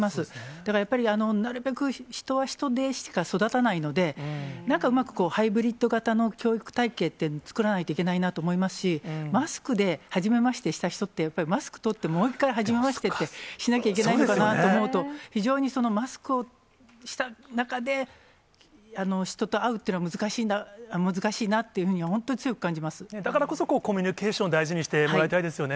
だからやっぱりなるべく人は人でしか育たないので、なんかうまくハイブリッド型の教育体系っていうのを作らないといけないなと思いますし、マスクではじめましてした人って、やっぱりマスク取って、もう１回はじめましてってしないといけないのかなと思と、非常にマスクをした中で、人と会うっていうのは難しいなっていうふうにだからこそ、コミュニケーションを大事にしてもらいたいですよね。